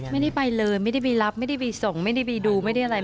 ไม่ได้ไปเลยไม่ได้ไปรับไม่ได้ไปส่งไม่ได้ไปดูไม่ได้อะไร